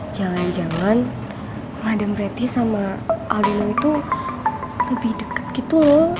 jangan jangan madam pretty sama aldino itu lebih deket gitu loh